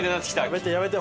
やめてやめて。